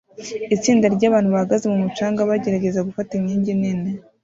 Itsinda ryabantu bahagaze mumucanga bagerageza gufata inkingi nini